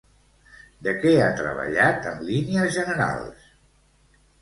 De què ha treballat, en línies generals?